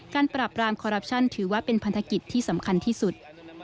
การปราบรามคอรัปชั่นถือว่าเป็นพันธกิจที่สำคัญที่สุด